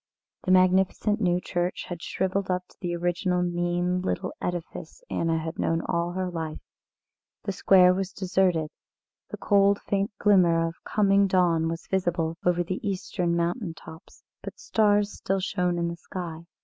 The magnificent new church had shrivelled up to the original mean little edifice Anna had known all her life. The square was deserted, the cold faint glimmer of coming dawn was visible over the eastern mountain tops, but stars still shone in the sky.